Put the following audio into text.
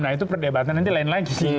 nah itu perdebatan nanti lain lagi